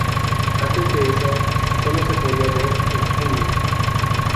Antes de eso, solo se podía ver en Hulu.